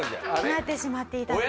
なってしまっていたんです。